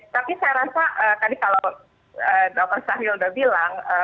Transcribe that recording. tapi saya rasa tadi kalau dokter sahil sudah bilang